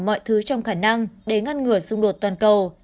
mọi thứ trong khả năng để ngăn ngừa xung đột toàn cầu